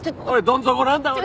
どん底なんだ俺。